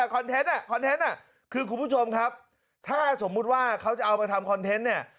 เทนต์อ่ะคอนเทนต์อ่ะคือคุณผู้ชมครับถ้าสมมุติว่าเขาจะเอามาทำคอนเทนต์เนี่ย